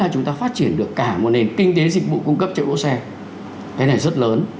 cái này rất lớn